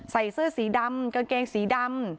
ใส่เสื้อสีดำกางเกงสีดำ